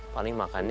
paling makannya ya